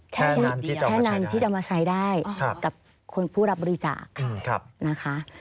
แค่นั้นที่จะมาใช้ได้กับคนผู้รับบริจาคนะคะ